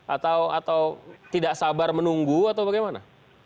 atau tidak sabar menunggu atau bagaimana